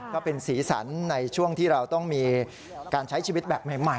ก็เป็นสีสันในช่วงที่เราต้องมีการใช้ชีวิตแบบใหม่